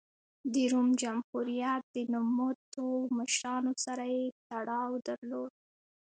د روم جمهوریت د نوموتو مشرانو سره یې تړاو درلود